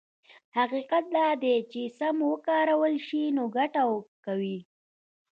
حقيقت دا دی چې که سم وکارول شي نو ګټه کوي.